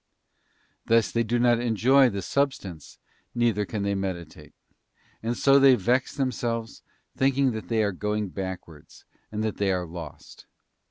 Thus they do not enjoy the sub stance, neither can they meditate; and so they vex them selves, thinking that they are going backwards, and that they are lost.